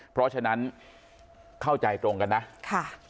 เพราะฉะนั้นเข้าใจตรงกันนะค่ะ